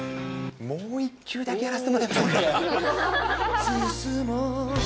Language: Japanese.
もう１球だけやらせてもらえませんかね。